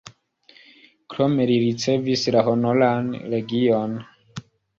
Krome li ricevis la Honoran Legion.